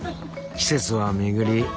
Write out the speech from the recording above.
季節は巡り